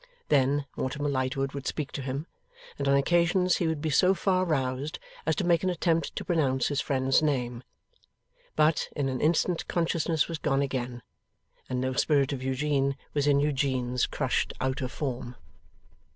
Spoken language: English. Then, Mortimer Lightwood would speak to him, and on occasions he would be so far roused as to make an attempt to pronounce his friend's name. But, in an instant consciousness was gone again, and no spirit of Eugene was in Eugene's crushed outer form.